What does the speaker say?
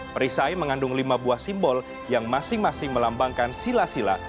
perisai mengandung lima buah simbol yang masing masing melambangkan sila sila